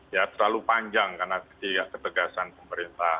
ya terlalu panjang karena ketegasan pemerintah